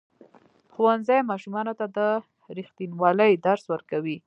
ښوونځی ماشومانو ته د ریښتینولۍ درس ورکوي.